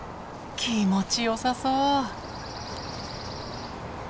気持ちよさそう。